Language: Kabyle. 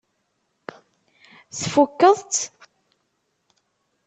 Tfukkeḍ-tt?